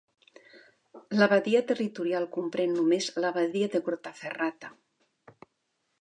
L'abadia territorial comprèn només l'abadia de Grottaferrata.